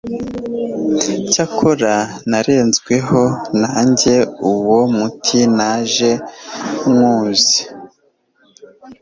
cyakora narenzweho, nanjye uwo muti naje nywuzi